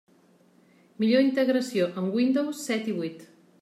Millor integració amb Windows set i vuit.